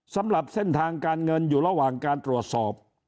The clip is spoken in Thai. สำหรับเส้นทางการเงินอยู่ระหว่างการตรวจสอบ